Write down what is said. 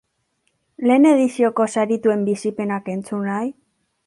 Lehen edizioko sarituen bizipenak entzun nahi?